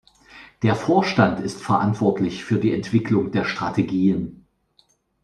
Der Vorstand ist verantwortlich für die Entwicklung der Strategien.